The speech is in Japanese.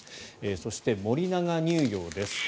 そして、森永乳業です。